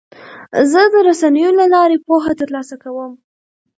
زه د رسنیو له لارې پوهه ترلاسه کوم.